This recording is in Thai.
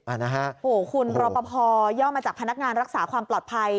โอ้โหคุณรอปภย่อมาจากพนักงานรักษาความปลอดภัย